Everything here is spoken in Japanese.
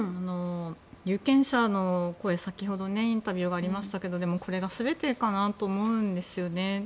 有権者の声、先ほどインタビューがありましたがこれが全てかなと思うんですよね。